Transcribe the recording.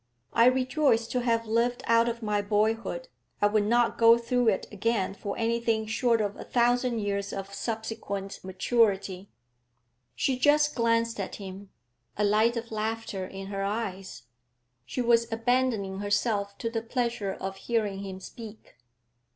I rejoice to have lived out of my boyhood; I would not go through it again for anything short of a thousand years of subsequent maturity.' She just glanced at him, a light of laughter in her eyes. She was abandoning herself to the pleasure of hearing him speak.